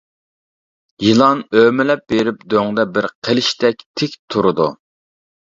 يىلان ئۆمىلەپ بېرىپ دۆڭدە بىر قىلىچتەك تىك تۇرىدۇ.